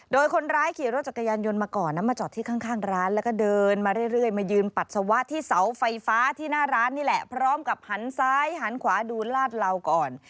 โดยคนร้ายขี่รถจักรยานยนต์มาก่อนนะมาจอดที่ข้างร้านแล้วก็เดินมาเรื่อยมายืนปัสสาวะที่เสาไฟฟ้าที่หน้าร้านนี่แหละพร้อมกับหันซ้ายหันขวาดูลาดเหลาก่อน